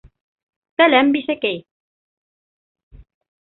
Сәләм, бисәкәй!